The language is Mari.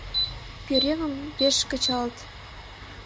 Пӧръеҥым пеш кычалыт.